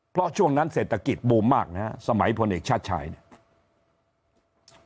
เพราะช่วงนั้นเศรษฐกิจบูมมากนะฮะสมัยพลเอกชาติชายเนี่ย